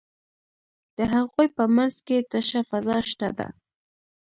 د هغوی په منځ کې تشه فضا شته ده.